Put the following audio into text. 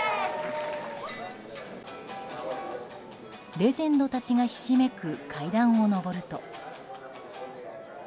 レジェンドたちがひしめく階段を上ると。